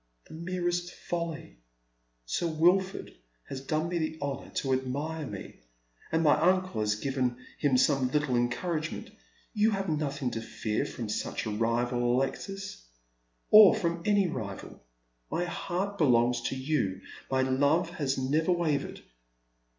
" The merest folly. Sir Wilford has done me the honour to admire me, and my uncle has given him some little encourage ment. You have nothing to fear from such a rival, Alexis, or from any rival. My heart belongs to you. My love has never wavered."